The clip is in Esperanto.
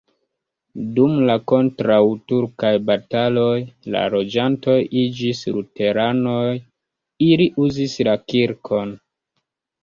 Dum la kontraŭturkaj bataloj la loĝantoj iĝis luteranoj, ili uzis la kirkon.